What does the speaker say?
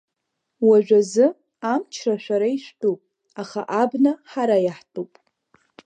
Уажәазы амчра шәара ишәтәуп, аха абна ҳара иаҳтәуп…